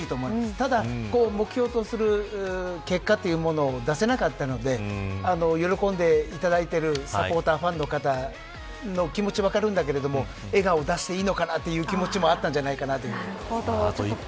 ただ、目標とする結果を出せなかったので喜んでいただいているサポーターやファンの方その気持ちも分かりますが笑顔を出していいのかなという気持ちもあったと思います。